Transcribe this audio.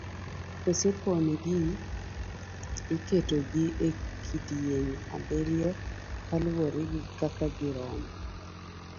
Kose pon gi, iketo gi e kidieny abiriyo kaluwore gi kaka girom.